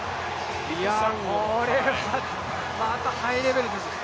これはまたハイレベルです。